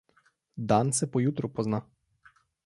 Dan se po jutru pozna.